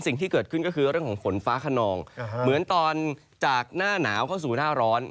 สิ่งที่เกิดขึ้นก็คือเรื่องของฝนฟ้าขนองเหมือนตอนจากหน้าหนาวเข้าสู่หน้าร้อน